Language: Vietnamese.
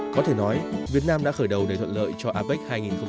có thể nói việt nam đã khởi đầu đầy thuận lợi cho apec hai nghìn một mươi bảy